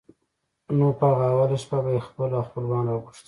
نو په هغه اوله شپه به یې خپل او خپلوان را غوښتل.